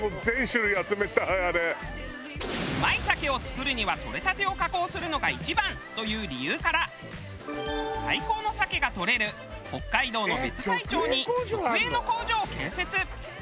うまい鮭を作るにはとれたてを加工するのが一番という理由から最高の鮭がとれる北海道の別海町に直営の工場を建設。